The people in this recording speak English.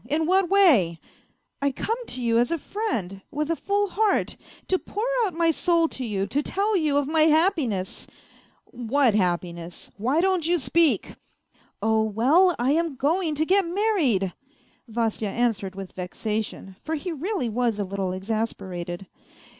In what way ?"" I come to you as to a friend, with a full heart, to pour out my soul to you, to tell you of my happiness ..."" What happiness ? Why don't you speak ?..."" Oh, well, I am going to get married !" Vasya answered with vexation, for he really was a little exasperated.